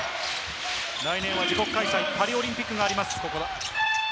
来年は自国開催パリオリンピックがあります。